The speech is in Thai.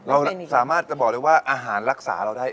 เราสามารถจะบอกเลยว่าอาหารรักษาเราได้